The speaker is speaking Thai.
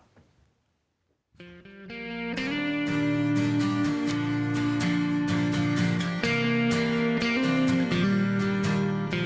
คุณอันทรีย์สดิษฐ์มั่วครับ